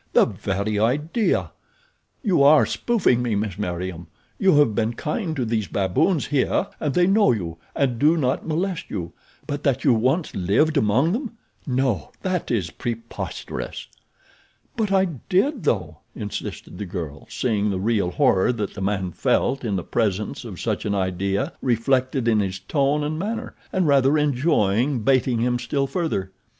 The very idea! You are spoofing me, Miss Meriem. You have been kind to these baboons here and they know you and do not molest you; but that you once lived among them—no, that is preposterous." "But I did, though," insisted the girl, seeing the real horror that the man felt in the presence of such an idea reflected in his tone and manner, and rather enjoying baiting him still further.